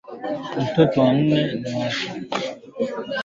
jinsi ya kutengeneza viazi lishe kwa vyakula mbali mbali